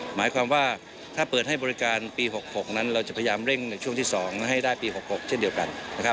หมายความว่าถ้าเปิดให้บริการปี๖๖นั้นเราจะพยายามเร่งในช่วงที่๒ให้ได้ปี๖๖เช่นเดียวกันนะครับ